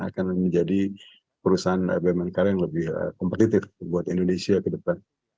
akan menjadi perusahaan bumn karya yang lebih kompetitif buat indonesia ke depan